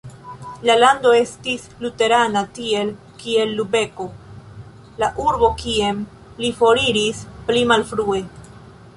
La lando estis luterana, tiel kiel Lubeko, la urbo kien li foriris pli malfrue.